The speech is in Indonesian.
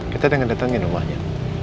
kita dengan datengin rumahnya